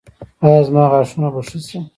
ایا زما غاښونه به ښه شي؟